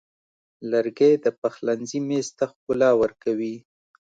لرګی د پخلنځي میز ته ښکلا ورکوي.